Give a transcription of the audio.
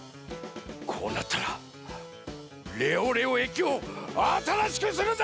こうなったらレオレオえきをあたらしくするざんす！